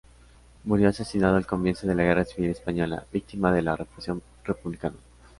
Murió asesinado al comienzo de la Guerra Civil Española, víctima de la represión republicana.